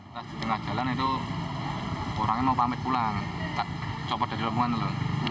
polisi belum menemukan keterkaitan kasus ini dengan diding